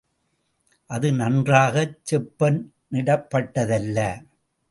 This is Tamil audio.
அது நன்றாகச் செப்பனிடப்பட்டதல்ல.